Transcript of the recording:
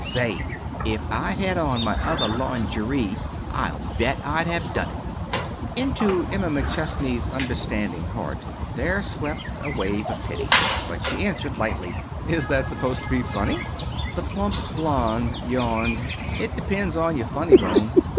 Say, if I'd had on my other lawnjerie I'll bet I'd have done it." Into Emma McChesney's understanding heart there swept a wave of pity. But she answered lightly: "Is that supposed to be funny?" The plump blonde yawned. "It depends on your funny bone.